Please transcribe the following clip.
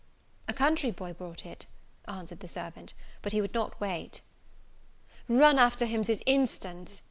"A country boy brought it," answered the servant," but he would not wait." "Run after him this instant!"